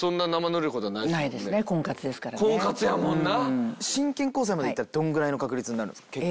婚活やもんな。